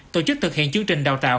tổ chức thực hiện chương trình đào tạo